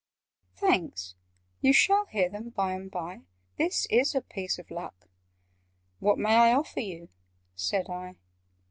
"Thanks! You shall hear them by and by. This is a piece of luck!" "What may I offer you?" said I.